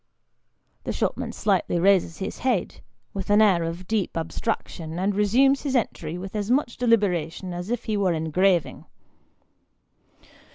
The shop man slightly raises his head, with an air of deep abstraction, and resumes his entry with as much deliberation as if he were engraving.